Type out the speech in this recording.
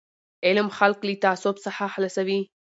علم خلک له تعصب څخه خلاصوي.